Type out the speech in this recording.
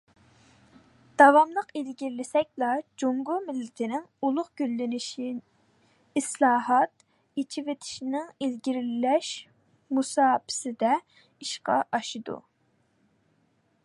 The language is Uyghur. داۋاملىق ئىلگىرىلىسەكلا، جۇڭخۇا مىللىتىنىڭ ئۇلۇغ گۈللىنىشى ئىسلاھات، ئېچىۋېتىشنىڭ ئىلگىرىلەش مۇساپىسىدە ئىشقا ئاشىدۇ.